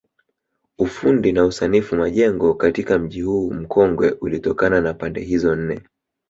Ufundi na usanifu majengo katika mji huu mkongwe ulitokana na pande hizo nne